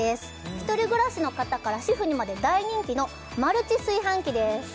１人暮らしの方から主婦にまで大人気のマルチ炊飯器です